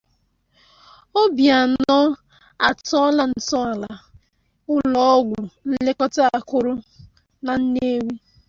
Obianọ Atọọla Ntọala Ụlọọgwụ Nlekọta Akụrụ Na Nnewi